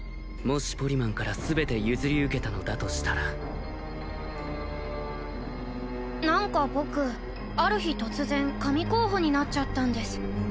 もしポリマンから全て譲り受けたのだとしたら何か僕ある日突然神候補になっちゃったんです